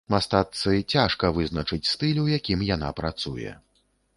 Мастачцы цяжка вызначыць стыль, у якім яна працуе.